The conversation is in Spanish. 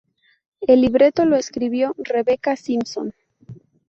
El libreto lo escribió Rebecca Simpson.